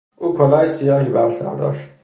او کلاه سیاهی برسر داشت.